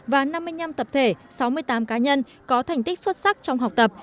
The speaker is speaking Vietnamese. và năm mươi năm tập thể sáu mươi tám cá nhân có thành tích xuất sắc trong học tập